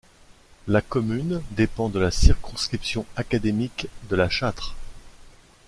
La commune dépend de la circonscription académique de La Châtre.